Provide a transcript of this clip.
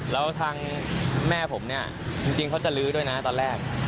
แล้วทางแม่ผมเนี่ยจริงเขาจะลื้อด้วยนะตอนแรก